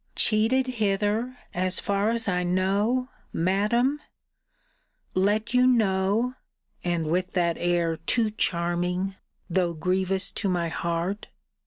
Cheated hither, as far as I know, Madam! Let you know (and with that air, too, charming, though grievous to my heart!)